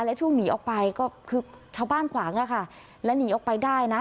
และช่วงหนีออกไปก็คือชาวบ้านขวางอะค่ะแล้วหนีออกไปได้นะ